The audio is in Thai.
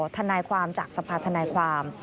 ทนายความจากสภาธนายความ